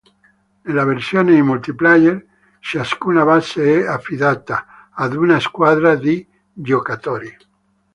Nella versione in multiplayer, ciascuna base è "affidata" ad una squadra di giocatori.